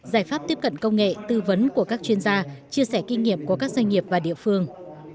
giải pháp tiếp cận công nghệ tư vấn của các chuyên gia chia sẻ kinh nghiệm của các doanh nghiệp và địa phương